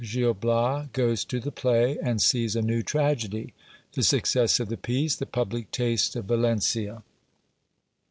— Gil Bias goes to the play, and sees a new tragedy. The success of the piece. The public taste at Valencia.